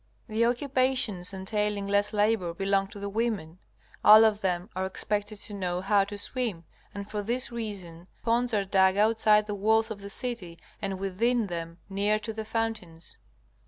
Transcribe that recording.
The occupations entailing less labor belong to the women. All of them are expected to know how to swim, and for this reason ponds are dug outside the walls of the city and within them near to the fountains.